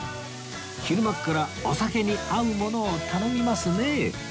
昼間からお酒に合うものを頼みますね